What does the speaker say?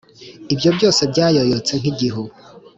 Ibyo byose byayoyotse nk’igihu,